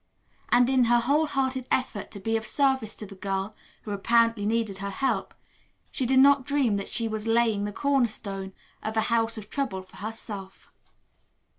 And in her wholehearted effort to be of service to the girl, who apparently needed her help, she did not dream that she was laying the cornerstone of a house of trouble for herself.